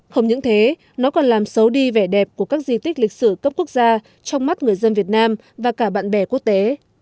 không những thế nó còn làm xấu đi vẻ đẹp của các di tích lịch sử cấp quốc gia trong mắt người dân việt nam và cả bạn bè quốc tế